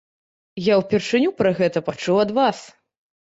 Я ўпершыню пра гэта пачуў ад вас.